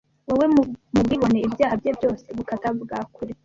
Wowe, mu ubwibone ibyaha bye byose, Gukata bwa kure